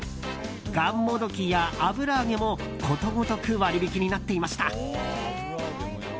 がんもどきや油揚げもことごとく割引になっていました。